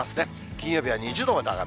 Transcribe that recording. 金曜日は２０度まで上がる。